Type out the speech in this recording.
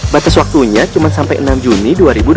batas waktunya cuma sampai enam juni dua ribu dua puluh